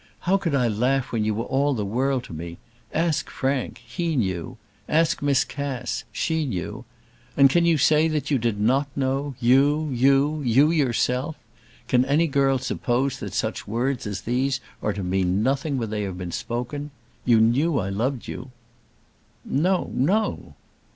How could I laugh when you were all the world to me? Ask Frank; he knew. Ask Miss Cass; she knew. And can you say you did not know; you, you, you yourself? Can any girl suppose that such words as these are to mean nothing when they have been spoken? You knew I loved you." "No; no."